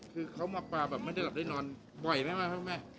คือเขามาปลาแบบไม่ได้หลับได้นอนบ่อยไหมพ่อแม่